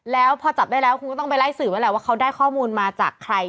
แล้วพอจับได้แล้วคุณก็ต้องไปไล่สืบแล้วแหละว่าเขาได้ข้อมูลมาจากใคร